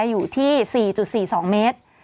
อยู่ที่๔๔๒เมตร